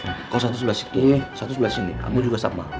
kalau satu sebelah sini satu sebelah sini kamu juga sama